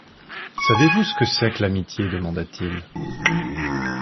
Savez-vous ce que c’est que l’amitié? demanda-t-il.